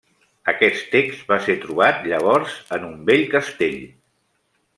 Aquest text va ser trobat llavors en un vell castell.